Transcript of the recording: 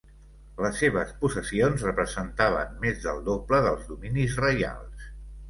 Les seves possessions representaven més del doble dels dominis reials.